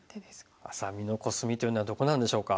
愛咲美のコスミというのはどこなんでしょうか？